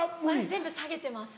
全部下げてます